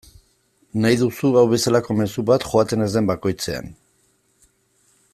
Nahi duzu hau bezalako mezu bat joaten ez den bakoitzean.